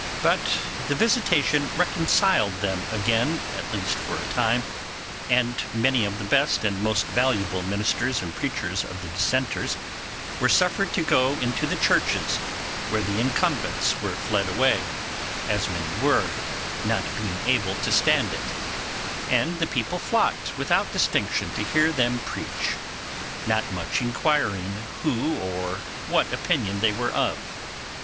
But the visitation reconciled them again, at least for a time, and many of the best and most valuable ministers and preachers of the Dissenters were suffered to go into the churches where the incumbents were fled away, as many were, not being able to stand it; and the people flocked without distinction to hear them preach, not much inquiring who or what opinion they were of.